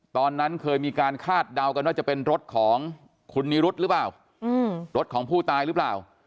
ตอนนั้นเคยมีการคาดเดากันว่าจะเป็นรถของคุณนิรุธหรือเปล่ารถของผู้ตายหรือเปล่า